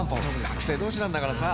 学生同士なんだからさ。